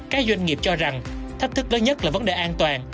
các doanh nghiệp cho rằng thách thức lớn nhất là vấn đề an toàn